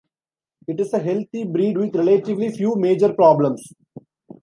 It is a healthy breed with relatively few major problems.